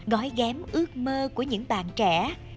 gói ghém ước mơ của những bạn trẻ